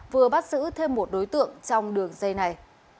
vừa bắt giữ thêm một đối tượng trong đường dây này